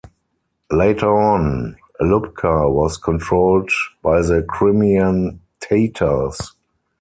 Later on, Alupka was controlled by the Crimean Tatars.